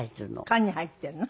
缶に入ってるの？